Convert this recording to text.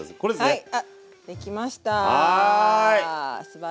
はい。